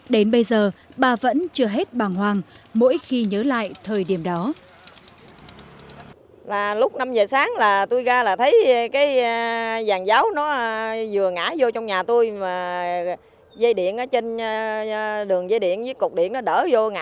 đến bây giờ bà vẫn chưa hết bàng hoàng mỗi khi nhớ lại thời điểm đó